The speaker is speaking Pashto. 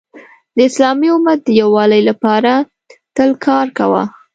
د اسلامی امت د یووالي لپاره تل کار کوه .